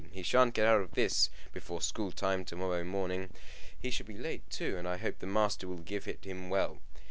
He sha'n't get out of this before school time to morrow morning. He shall be late, too, and I hope the master will give it him well.